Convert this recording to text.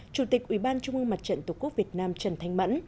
chủ tịch ủy ban trung ương mặt trận tổ quốc việt nam trần thanh mẫn